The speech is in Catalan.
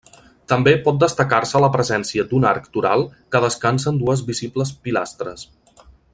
També pot destacar-se la presència d'un arc toral que descansa en dues visibles pilastres.